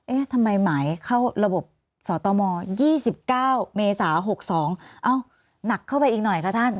ทำไมหมายเข้าระบบสตม๒๙เมษา๖๒เอ้าหนักเข้าไปอีกหน่อยคะท่าน